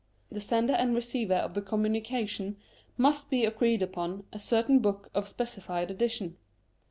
The sender and receiver of the communication must be agreed upon a certain book of a specified edition.